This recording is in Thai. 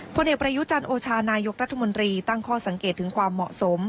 ผลเอกประยุจันทร์โอชานายกรัฐมนตรีตั้งข้อสังเกตถึงความเหมาะสม